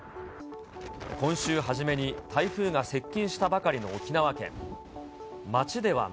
今週初めに台風が接近したばかりの沖縄県。